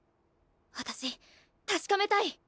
私確かめたい。